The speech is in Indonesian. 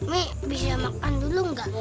mie bisa makan dulu gak